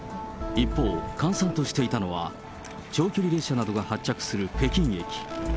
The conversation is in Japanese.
一方、閑散としていたのは長距離列車などが発着する北京駅。